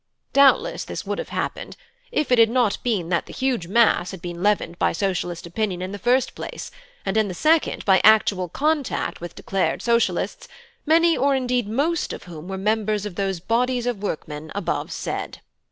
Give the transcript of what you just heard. Doubtless this would have happened if it had not been that the huge mass had been leavened by Socialist opinion in the first place, and in the second by actual contact with declared Socialists, many or indeed most of whom were members of those bodies of workmen above said.